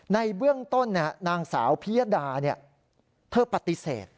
ในเบื้องต้นนางสาวพิยดาเธอปฏิเสธ